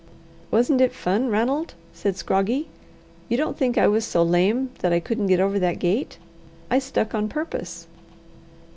"Wasn't it fun, Ranald?" said Scroggie. "You don't think I was so lame that I couldn't get over that gate? I stuck on purpose."